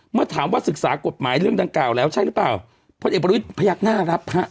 เมื่อถามว่าศึกษากฎหมายเรื่องดังกล่าวแล้วใช่หรือเปล่าพลเอกประวิทย์พยักหน้ารับฮะ